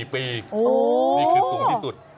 ๙๔ปีนี่คือสูงที่สุด